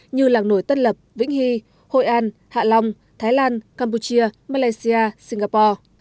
như làng nổi tân lập vĩnh hy hội an hạ long thái lan campuchia malaysia singapore